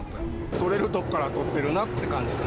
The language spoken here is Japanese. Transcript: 取れるところから取ってるなって感じ。